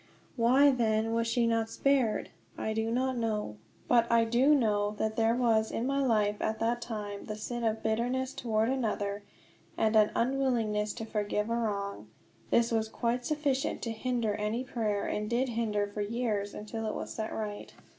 Why, then, was she not spared? I do not know. But I do know that there was in my life, at that time, the sin of bitterness toward another, and an unwillingness to forgive a wrong. This was quite sufficient to hinder any prayer, and did hinder for years, until it was set right.